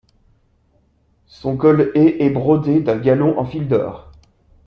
Son col et est brodé d'un galon en fil d'or.